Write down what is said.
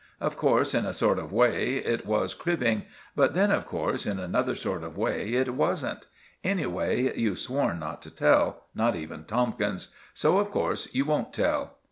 Of course, in a sort of way, it was cribbing; but then, of course, in another sort of way, it wasn't. Anyway, you've sworn not to tell—not even Tomkins; so of course you won't tell."